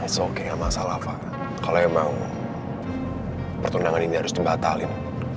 sopnya masalah kalau emang pertunangan ini harus dibatalin